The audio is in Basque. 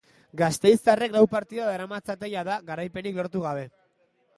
Gasteiztarrek lau partida daramatzate jada, garaipenik lortu gabe.